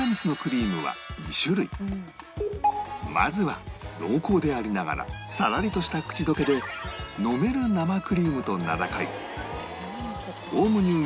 まずは濃厚でありながらさらりとした口溶けで「飲める生クリーム」と名高い